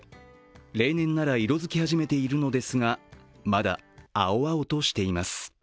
例年なら色づき始めているのですがまだ青々としています。